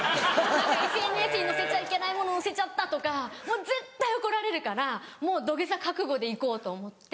何かＳＮＳに載せちゃいけないもの載せちゃったとかもう絶対怒られるから土下座覚悟で行こうと思って。